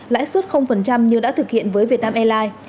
lãi suất như đã thực hiện với vietnam airlines